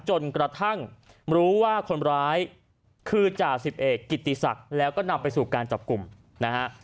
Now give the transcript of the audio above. จนกระทั่งรู้ว่าคนร้ายคือจ่าสิบเอกกิติศักดิ์แล้วก็นำไปสู่การจับกลุ่มนะฮะ